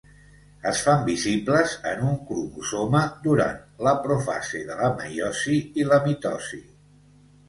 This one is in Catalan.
Es fan visibles en un cromosoma durant la profase de la meiosi i la mitosi.